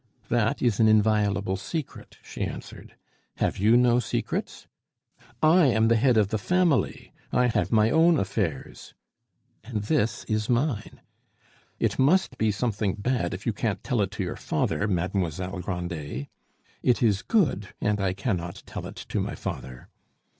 "That is an inviolable secret," she answered. "Have you no secrets?" "I am the head of the family; I have my own affairs." "And this is mine." "It must be something bad if you can't tell it to your father, Mademoiselle Grandet." "It is good, and I cannot tell it to my father."